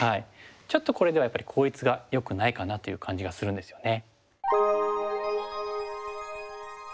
ちょっとこれではやっぱり効率がよくないかなという感じがするんですよね。